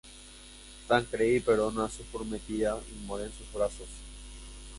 Tancredi perdona a su prometida y muere en sus brazos.